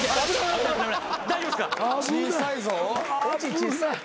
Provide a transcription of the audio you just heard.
小さいぞ。